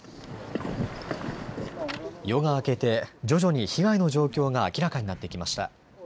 夜が明けて、徐々に被害の状況が明らかになってきました。